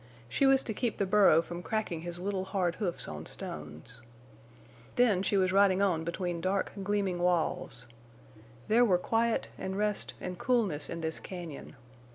She was to keep the burro from cracking his little hard hoofs on stones. Then she was riding on between dark, gleaming walls. There were quiet and rest and coolness in this cañon.